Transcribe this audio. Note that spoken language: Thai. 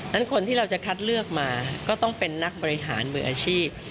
คนที่เราจะคัดเลือกมาก็ต้องเป็นนักบริหารมืออาชีพ